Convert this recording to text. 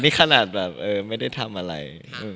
นี่ขนาดแบบไม่ได้ทำอะไร